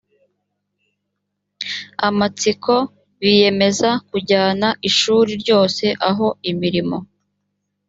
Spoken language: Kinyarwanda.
amatsiko biyemeza kujyana ishuri ryose aho imirimo